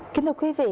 kính thưa quý vị